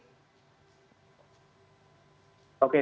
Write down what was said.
diskusi yang menarik nanti